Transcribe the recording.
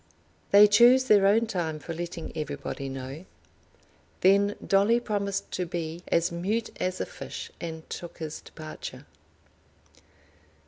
They choose their own time for letting everybody know." Then Dolly promised to be as mute as a fish, and took his departure.